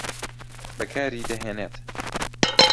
بەکاری دەهێنێت